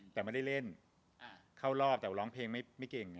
แต่ไม่ได้เล่นเข้ารอบแต่ว่าร้องเพลงไม่เก่ง